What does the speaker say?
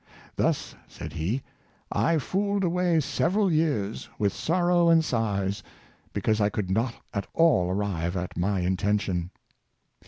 " Thus," said he, " I fooled away several years, with sorrow and sighs, because I could not at all arrive at my intention."